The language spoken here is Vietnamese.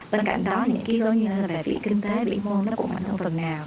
bên cạnh đó những ký do như là về vị kinh tế vị môn nó cũng mạnh hơn phần nào